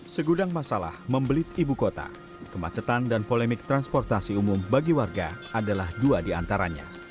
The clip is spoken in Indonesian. segudang masalah membelit ibu kota kemacetan dan polemik transportasi umum bagi warga adalah dua di antaranya